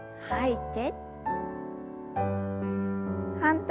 はい。